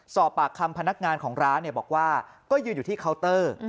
สอบปากคำพนักงานของร้านบอกว่าก็ยืนอยู่ที่เคาน์เตอร์